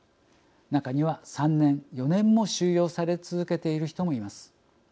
中には３年４年も収容され続けている人もいます。